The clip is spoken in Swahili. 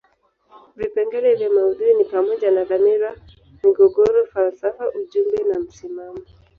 Vipengele vya maudhui ni pamoja na dhamira, migogoro, falsafa ujumbe na msimamo.